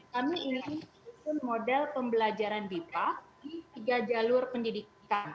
kami ingin model pembelajaran bipa di tiga jalur pendidikan